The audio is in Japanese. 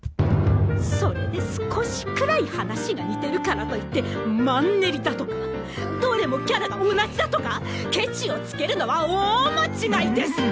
それで少しくらい話が似てるからと言ってマンネリだとかどれもキャラが同じだとかケチをつけるのは大間違いです！